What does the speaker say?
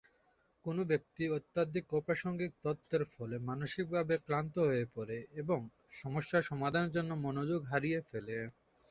কোনো ব্যক্তি অত্যধিক অপ্রাসঙ্গিক তথ্যের ফলে মানসিকভাবে ক্লান্ত হয়ে পড়ে এবং সমস্যার সমাধানের জন্য মনোযোগ হারিয়ে ফেলে।